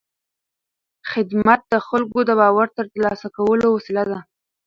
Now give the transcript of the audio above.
خدمت د خلکو د باور د ترلاسه کولو وسیله ده.